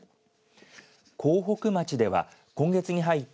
江北町では今月に入って